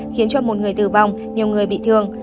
khiến một người tử vong nhiều người bị thương